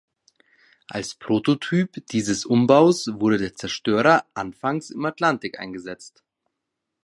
Als Prototyp dieses Umbaus wurde der Zerstörer anfangs im Atlantik eingesetzt.